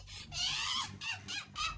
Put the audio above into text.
tidak tidak tidak